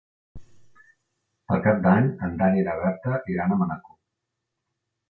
Per Cap d'Any en Dan i na Berta iran a Manacor.